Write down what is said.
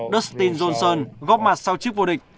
dustin johnson góp mặt sau chiếc vô địch